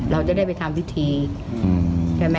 เราจะได้ไปทำพิธีใช่ไหม